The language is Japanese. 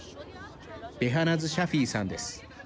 ベハナズ・シャフィイさんです。